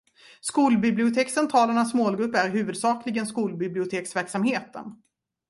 Skolbibliotekscentralernas målgrupp är huvudsakligen skolbiblioteksverksamheten.